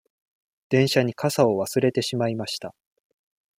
電車に傘を忘れてしまいました。